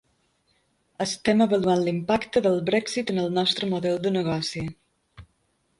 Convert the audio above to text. Estem avaluant l'impacte del Brexit en el nostre model de negoci.